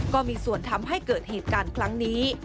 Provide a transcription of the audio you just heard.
ก็มีส่วนทำให้เกิดเหตุการณ์ครั้งนี้